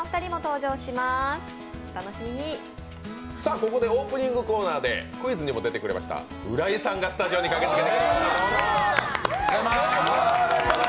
ここでオープニングコーナーでクイズにも出てくれました浦井さんがスタジオに駆けつけてくれました。